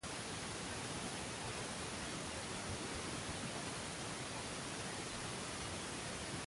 Los cielos descubrirán su iniquidad, Y la tierra se levantará contra él.